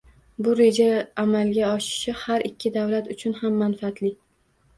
Bu reja amalga oshishi har ikki davlat uchun ham manfaatli